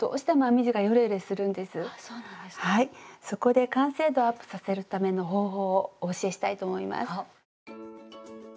そこで完成度をアップさせるための方法をお教えしたいと思います。